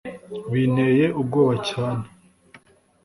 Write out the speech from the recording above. binteye ubwoba cyane